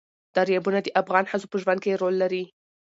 دریابونه د افغان ښځو په ژوند کې رول لري.